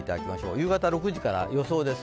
夕方６時から、予想です。